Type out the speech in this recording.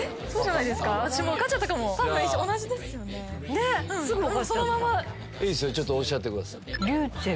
いいですよちょっとおっしゃってください。